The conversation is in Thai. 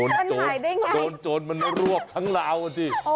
มันหายได้อย่างไรโดนโจรมันรวบทั้งราวสิ